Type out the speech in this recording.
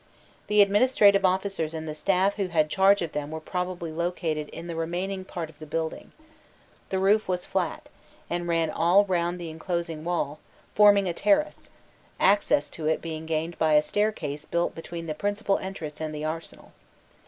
The administrative officers and the staff who had charge of them were probably located in the remaining part of the building. The roof was flat, and ran all round the enclosing wall, forming a terrace, access to it being gained by a staircase built between the principal entrance and the arsenal.